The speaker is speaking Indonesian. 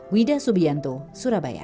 widah subianto surabaya